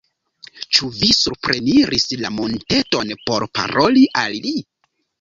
Ĉu vi supreniris la monteton por paroli al li?